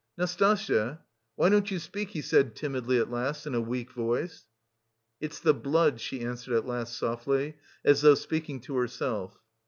"Nastasya, why don't you speak?" he said timidly at last in a weak voice. "It's the blood," she answered at last softly, as though speaking to herself.